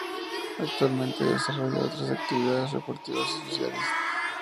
Actualmente desarrolla otras actividades deportivas y sociales.